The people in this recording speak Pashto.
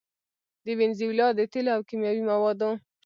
د وينزويلا د تېلو او کيمياوي موادو